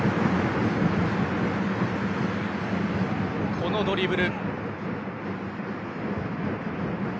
このドリブル。